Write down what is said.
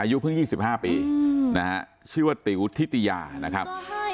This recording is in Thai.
อายุเพิ่งยี่สิบห้าปีนะฮะชื่อว่าติวทิตยานะครับ